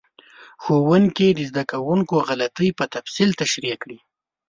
ښوونکي د زده کوونکو غلطۍ په تفصیل تشریح کړې.